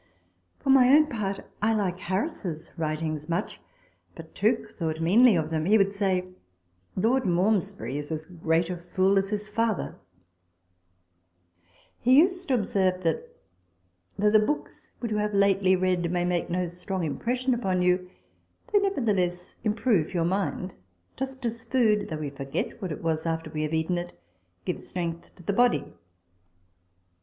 For my own part, I like Harris's writings much. But Tooke thought meanly of them : he would say, " Lord Malmesbury is as great a fool as his father" He used to observe that " though the books which you have lately read may make no strong impression on you, they nevertheless improve your mind ; just as food, though we forget what it was after we have eaten it, gives strength to the body."